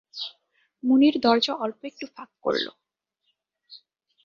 মুনির দরজা অল্প একটু ফাঁক করল।